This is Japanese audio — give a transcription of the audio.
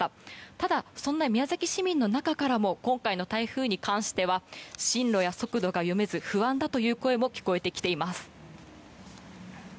ただ、そんな宮崎市民の中からも今回の台風に関しては進路や速度が読めず不安だという声も聞こえてきています。